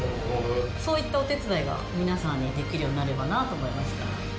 そういったお手伝いが皆さんにできるようになればなと思いました